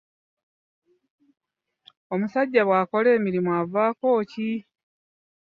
Omusajja bw'akola emirimu avaaako ki?